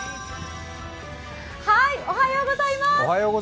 おはようございます。